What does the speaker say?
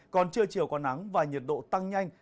còn trưa chiều có nắng và nhiệt độ tăng nhanh